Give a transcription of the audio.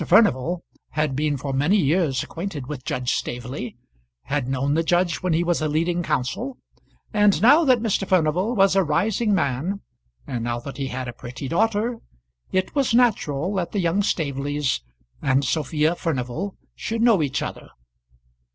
Furnival had been for many years acquainted with Judge Staveley, had known the judge when he was a leading counsel; and now that Mr. Furnival was a rising man, and now that he had a pretty daughter, it was natural that the young Staveleys and Sophia Furnival should know each other.